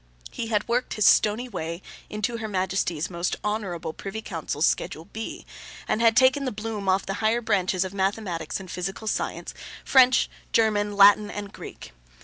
He had worked his stony way into Her Majesty's most Honourable Privy Council's Schedule B, and had taken the bloom off the higher branches of mathematics and physical science, French, German, Latin, and Greek.